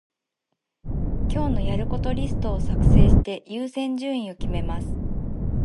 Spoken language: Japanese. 今日のやることリストを作成して、優先順位を決めます。